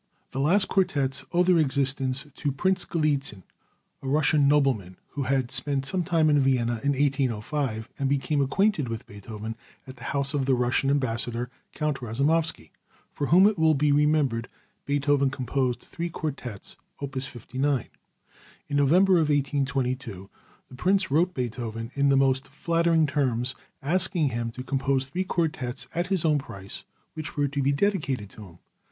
The last quartets owe their existence to Prince Galitzin, a Russian nobleman, who had spent some time in Vienna in 1805, and became acquainted with Beethoven at the house of the Russian Ambassador, Count Rasoumowsky, for whom it will be remembered Beethoven composed three quartets, opus 59. In November of 1822 the Prince wrote Beethoven in the most flattering terms, asking him to compose three quartets at his own price, which were to be dedicated to him.